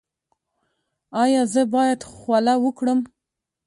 ایا زه باید خوله وکړم؟